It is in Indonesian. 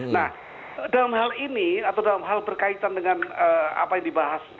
nah dalam hal ini atau dalam hal berkaitan dengan apa yang dibahas